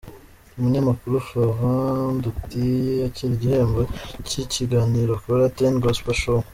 Umunyamakuru Florent Ndutiye yakira igihembo cy'ikiganiro akora "Ten Gospel show".